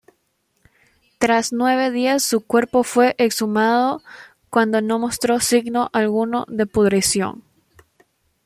Tras nueve días su cuerpo fue exhumado, cuando no mostró signo alguno de pudrición.